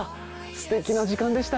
すてきな時間でした。